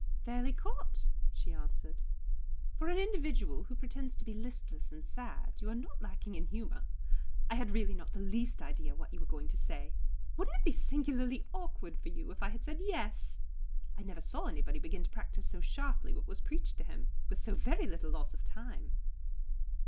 "Fairly caught," she answered. "For an individual who pretends to be listless and sad you are not lacking in humour. I had really not the least idea what you were going to say. Wouldn't it be singularly awkward for you if I had said 'Yes'? I never saw anybody begin to practise so sharply what was preached to him with so very little loss of time!"